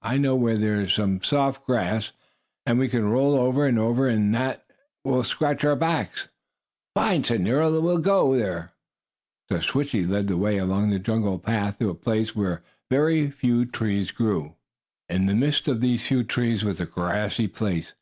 I know where there is some soft grass, and we can roll over and over in that and scratch our backs." "Fine!" said Nero. "We'll go there." So Switchie led the way along another jungle path to a place where very few trees grew. In the midst of these few trees was a grassy place.